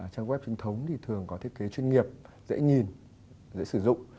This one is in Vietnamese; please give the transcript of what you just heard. trang web truyền thống thường có thiết kế chuyên nghiệp dễ nhìn dễ sử dụng